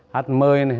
hát mơi này